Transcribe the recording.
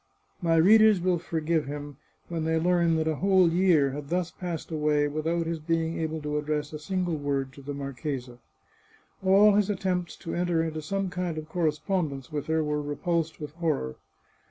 My readers will forgive him when they learn that a whole year had thus passed away without his being able to address a single word to the mar chesa. All his attempts to enter into some kind of corre spondence with her were repulsed with horror.